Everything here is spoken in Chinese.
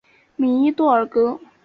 米伊多尔格。